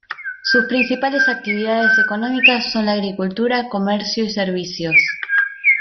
Sus principales actividades económicas son la agricultura, comercio y servicios.